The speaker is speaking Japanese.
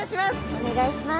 お願いします。